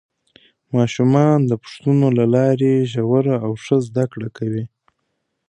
ماشومان د پوښتنو له لارې ژوره او ښه زده کړه کوي